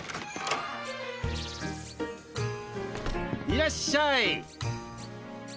いらっしゃい。